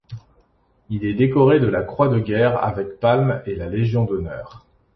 Il est décoré de la Croix de guerre, avec palmes, et la Légion d'honneur.